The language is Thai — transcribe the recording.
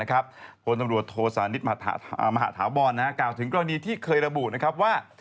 คนตำรวจโทสานิทมหาถาวบอลกล่าวถึงกรณีที่เคยระบุว่า